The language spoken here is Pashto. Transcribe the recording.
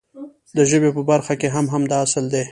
د ژبې په برخه کې هم همدا اصل دی.